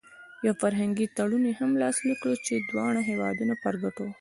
یو فرهنګي تړون یې هم لاسلیک کړ چې د دواړو هېوادونو په ګټه و.